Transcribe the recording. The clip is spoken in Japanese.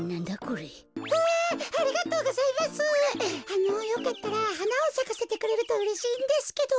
あのよかったらはなをさかせてくれるとうれしいんですけど。